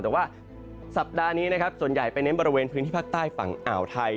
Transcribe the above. แต่ว่าสัปดาห์นี้นะครับส่วนใหญ่ไปเน้นบริเวณพื้นที่ภาคใต้ฝั่งอ่าวไทย